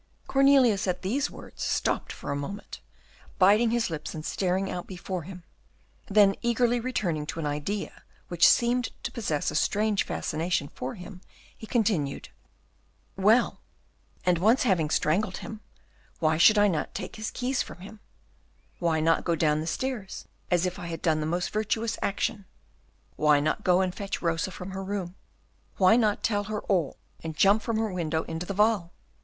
Cornelius at these words stopped for a moment, biting his lips and staring out before him; then, eagerly returning to an idea which seemed to possess a strange fascination for him, he continued, "Well, and once having strangled him, why should I not take his keys from him, why not go down the stairs as if I had done the most virtuous action, why not go and fetch Rosa from her room, why not tell her all, and jump from her window into the Waal?